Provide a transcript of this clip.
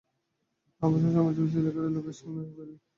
অবশ্য শ্রমজীবী স্ত্রীলোকেরা লোকের সামনে বেরোয়।